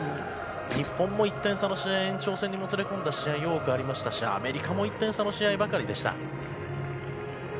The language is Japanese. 日本も１点差に延長戦にもつれ込んだ試合も多くありましたしアメリカも１点差の試合ばかりでした。